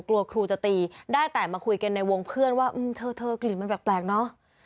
กลัวครูจะตีได้แต่มาคุยกันในวงเพื่อนว่าเธอกลิ่นมันแปลกเนอะ